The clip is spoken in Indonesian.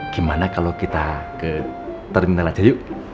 gimana kalau kita ke terminal aja yuk